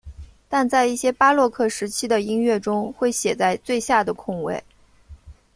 但在一些巴洛克时期的音乐中会写在最下的空位。